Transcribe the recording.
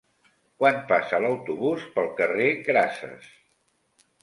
Quan passa l'autobús pel carrer Grases?